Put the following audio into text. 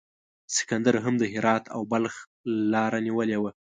سکندر هم د هرات او بلخ لیاره نیولې وه.